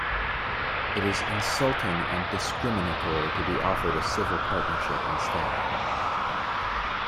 It is insulting and discriminatory to be offered a civil partnership instead.